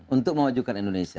untuk mewajukan indonesia